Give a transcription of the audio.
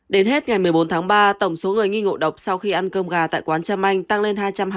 đến hết ngày một mươi bốn tháng ba tổng số người nghi ngộ độc sau khi ăn cơm gà tại quán trâm anh tăng lên hai trăm hai mươi